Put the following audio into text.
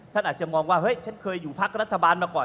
ท่านอาจจะมองว่าเฮ้ยฉันเคยอยู่พักรัฐบาลมาก่อน